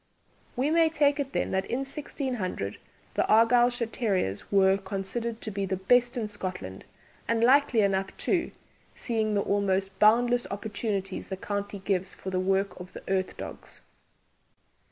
We may take it then that in 1600 the Argyllshire terriers were considered to be the best in Scotland, and likely enough too, seeing the almost boundless opportunities the county gives for the work of the "earth dogges."